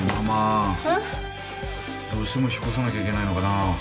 ママどうしても引っ越さなきゃいけないのかな？